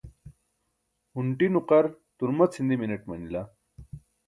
hunṭi nuqar turma chindi mineṭ manila